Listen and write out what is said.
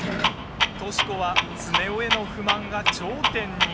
十志子は常雄への不満が頂点に。